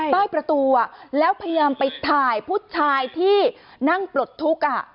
ใต้ประตูแล้วพยายามไปถ่ายผู้ชายที่นั่งปลดทุกข์